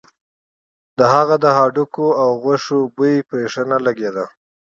د هغه د هډوکي او غوښې بوی پرې ښه نه لګېده.